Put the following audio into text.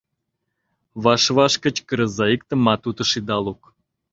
Ваш-ваш кычкырыза, иктымат утыш ида лук...